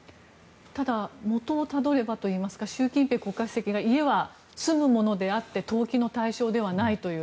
ただ元をたどればと言いますか習近平国家主席は家は住むものであって投機の対象ではないという。